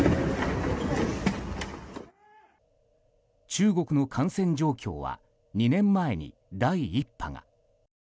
中国の感染状況は２年前に第１波が。